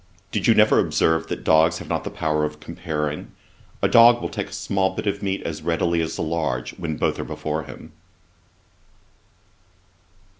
Did you never observe that dogs have not the power of comparing? A dog will take a small bit of meat as readily as a large, when both are before him.'